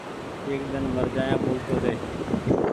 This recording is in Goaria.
ايڪ ۮن مر جآيآ ٻولتو ري ۔